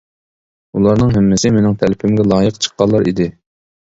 ئۇلارنىڭ ھەممىسى مېنىڭ تەلىپىمگە لايىق چىققانلار ئىدى.